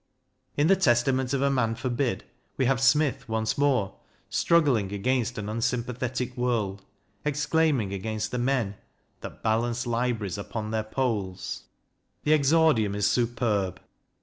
In the "Testament of a Man Forbid " we have Smith once more, struggling against an unsympathetic world, exclaiming against the men That balance libraries upon their polls. The exordium is superb.